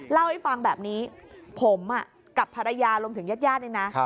เล่าให้ฟังแบบนี้ผมกับภรรยาลงถึงญาติย่าดนี่นะ